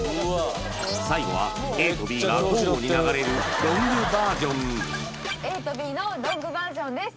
最後はＡとＢが交互に流れるロングバージョンＡとＢのロングバージョンです